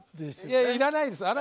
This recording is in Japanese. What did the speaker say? いやいらないです。